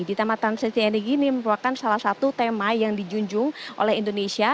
di tema transisi energi ini merupakan salah satu tema yang dijunjung oleh indonesia